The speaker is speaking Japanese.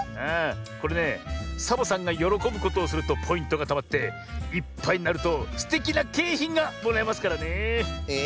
これねサボさんがよろこぶことをするとポイントがたまっていっぱいになるとすてきなけいひんがもらえますからねえ。